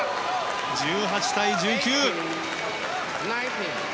１８対１９！